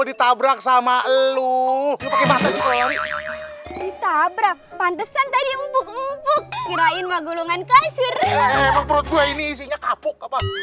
ditabrak sama lu pantesan tadi mumpuk kirain magulungan kasur perut gue ini isinya kapuk